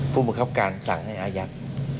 ผู้บังคับการสั่งให้อายัด